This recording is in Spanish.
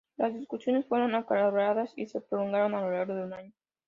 Las discusiones fueron acaloradas y se prolongaron a lo largo de un año.